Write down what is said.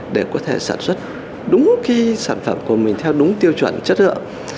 để có thể sản xuất đúng sản phẩm của mình theo đúng tiêu chuẩn chất lượng